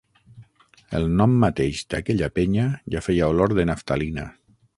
El nom mateix d'aquella penya ja feia olor de naftalina.